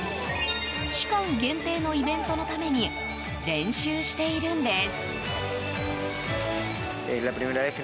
期間限定のイベントのために練習しているんです。